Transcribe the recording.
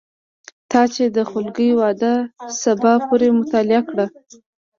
تا چې د خولګۍ وعده سبا پورې معطله کړه